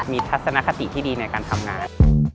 มีทัศนคติที่ดีในการทำงาน